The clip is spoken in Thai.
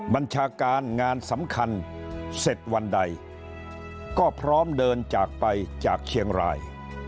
บัญชาการงานสำคัญเสร็จวันใดก็พร้อมเดินจากไปจากเชียงราย